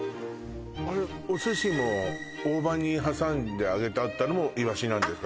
お寿司も大葉に挟んで揚げてあったのもイワシなんですか？